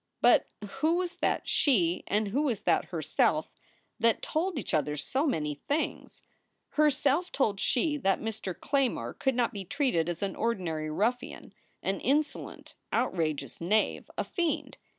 But who was that She and who was that Herself that told each other so many things? Herself told She that Mr. Claymore could not be treated as an ordinary ruffian, an insolent, outrageous knave, a fiend.